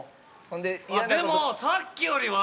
でもさっきよりは。